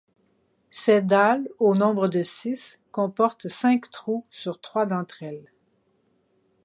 Ces dalles, au nombre de six, comportent cinq trous sur trois d'entre elles.